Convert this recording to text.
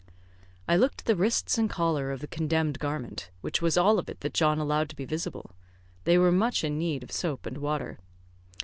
I looked at the wrists and collar of the condemned garment, which was all of it that John allowed to be visible. They were much in need of soap and water.